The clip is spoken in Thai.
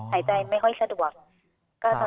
หายใจไม่ค่อยสะดวก